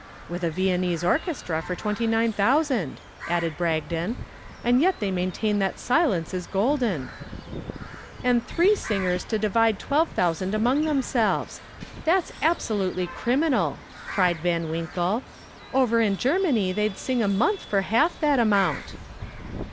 "With a Viennese orchestra for twenty nine thousand!" added Bragdon. "And yet they maintain that silence is golden." "And three singers to divide twelve thousand among themselves! That's absolutely criminal," cried Van Winkle. "Over in Germany they'd sing a month for half that amount."